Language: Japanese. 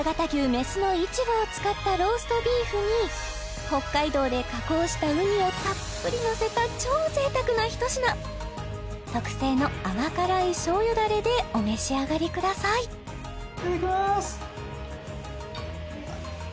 雌のイチボを使ったローストビーフに北海道で加工したうにをたっぷりのせた超贅沢な一品特製の甘辛い醤油だれでお召し上がりくださいいただきます！